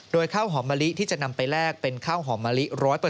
โดยข้าวหอมมะลิที่จะนำไปแลกเป็นข้าวหอมมะลิ๑๐๐